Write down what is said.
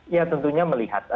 ya tentunya melihat